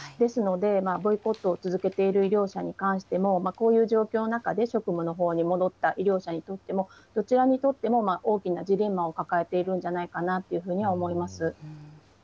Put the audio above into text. ですので、ボイコットを続けている医療者に関しても、こういう状況の中で、職務のほうに戻った医療者にとっても、どちらにとっても、大きなジレンマを抱えているのではないかなというふうには思います。